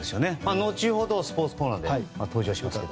後ほど、スポーツコーナーで登場はしますけど。